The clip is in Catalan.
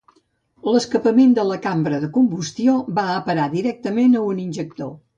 L'escapament de la cambra de combustió va a parar directament a un injector.